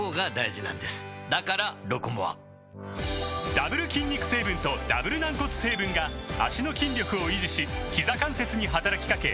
ダブル筋肉成分とダブル軟骨成分が脚の筋力を維持しひざ関節に働きかけ